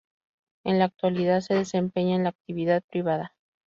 En la actualidad se desempeña en la Actividad Privada.